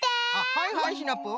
はいはいシナプー。